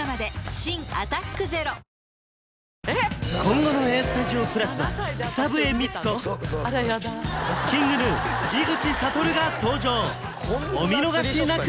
新「アタックＺＥＲＯ」今後の「ＡＳＴＵＤＩＯ＋」は草笛光子ＫｉｎｇＧｎｕ井口理が登場お見逃しなく！